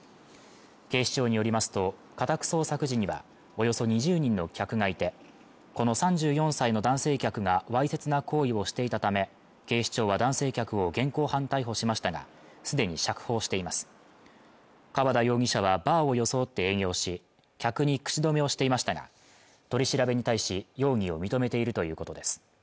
警視庁によりますと家宅捜索時にはおよそ２０人の客がいてこの３４歳の男性客がわいせつな行為をしていたため警視庁は男性客を現行犯逮捕しましたがすでに釈放しています川田容疑者はバーを装って営業し客に口止めをしていましたが取り調べに対し容疑を認めているということです